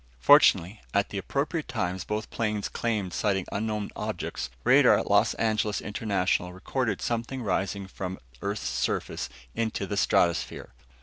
Fortunately, at the approximate times both pilots claimed sighting unknown objects, radar at Los Angeles International recorded something rising from earth's surface into the stratosphere.